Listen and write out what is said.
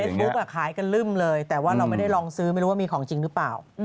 ขายกันลึ่มเลยแต่ว่าเราไม่ได้ลองซื้อไม่รู้ว่ามีของจริงหรือเปล่า